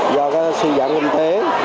do cái suy giảm hương tế